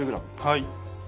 はい。